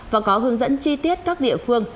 và có hướng dẫn chi tiết các địa phương